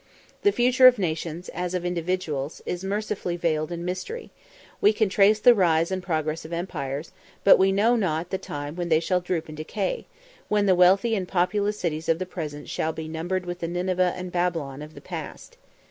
The future of nations, as of individuals, is mercifully veiled in mystery; we can trace the rise and progress of empires, but we know not the time when they shall droop and decay when the wealthy and populous cities of the Present shall be numbered with the Nineveh and Babylon of the Past.